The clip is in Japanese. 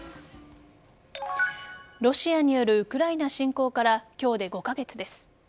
ロシアによるウクライナ侵攻から今日で５カ月です。